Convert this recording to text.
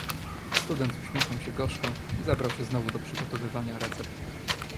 "Student uśmiechnął się gorzko i zabrał się znowu do przygotowywania recept."